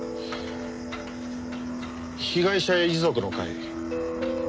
被害者遺族の会。